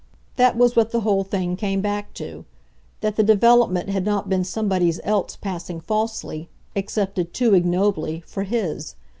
That was what the whole thing came back to that the development had not been somebody's else passing falsely, accepted too ignobly, for his.